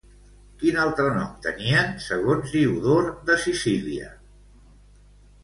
Quin altre nom tenien segons Diodor de Sicília?